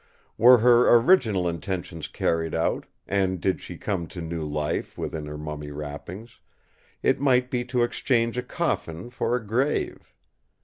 Were her original intention carried out, and did she come to new life within her mummy wrappings, it might be to exchange a coffin for a grave!